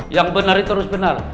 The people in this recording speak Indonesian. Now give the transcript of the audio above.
yang benar itu harus benar